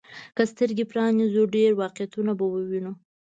که سترګي پرانيزو، ډېر واقعيتونه به ووينو.